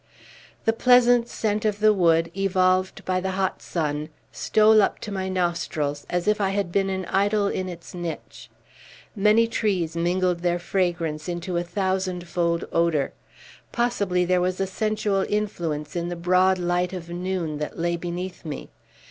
The pleasant scent of the wood, evolved by the hot sun, stole up to my nostrils, as if I had been an idol in its niche. Many trees mingled their fragrance into a thousand fold odor. Possibly there was a sensual influence in the broad light of noon that lay beneath me.